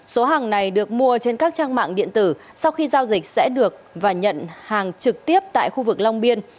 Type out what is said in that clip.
số hàng này được mua trên các trang mạng điện tử sau khi giao dịch sẽ được và nhận hàng trực tiếp tại khu vực long biên